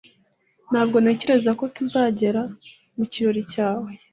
Ntabwo ntekereza ko tuzagera mu kirori cyawe